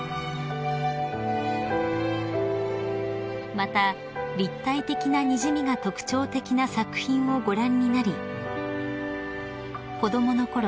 ［また立体的なにじみが特徴的な作品をご覧になり子供のころ